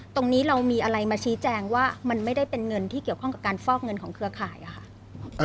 ตรงนี้เรามีอะไรมาชี้แจงว่ามันไม่ได้เป็นเงินที่เกี่ยวข้องกับการฟอกเงินของเครือข่ายอะค่ะ